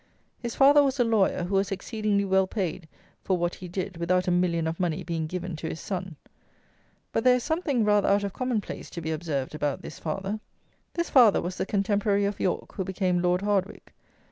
His father was a lawyer, who was exceedingly well paid for what he did without a million of money being given to his son. But there is something rather out of common place to be observed about this father. This father was the contemporary of Yorke, who became Lord Hardwicke.